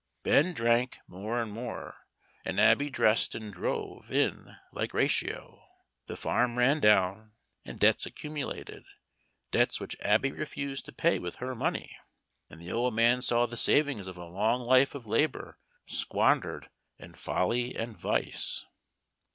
Ben drank more and more, and Abby dressed and drove in like ratio. The farm ran down, and debts accumulated debts which Abby refused to pay with her money, and the old man saw the savings of a long life of labor squandered in folly and vice.